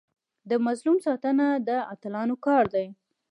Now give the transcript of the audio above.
د مظلوم ساتنه د اتلانو کار دی.